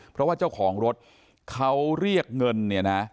เพราะว่าเจ้าของรถเขาเรียกเงิน